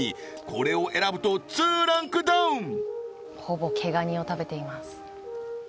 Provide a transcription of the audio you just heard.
これを選ぶと２ランクダウンほぼ毛ガニを食べています